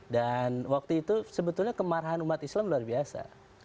dan waktu itu sebetulnya kemarahan umat islam luar biasa